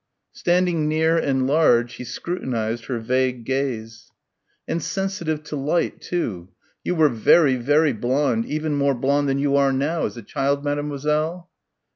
Standing near and large he scrutinised her vague gaze. "And sensitive to light, too. You were vairy, vairy blonde, even more blonde than you are now, as a child, mademoiselle?"